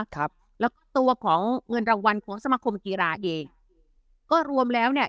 ครับแล้วก็ตัวของเงินรางวัลของสมาคมกีฬาเองก็รวมแล้วเนี้ย